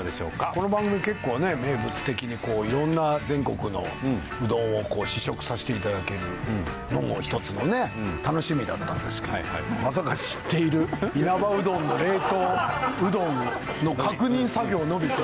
この番組結構ね名物的にいろんな全国のうどんを試食させていただけるのも一つのね楽しみだったんですけどまさか知っている因幡うどんの冷凍うどんの確認作業のみという。